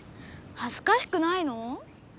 はずかしくないの？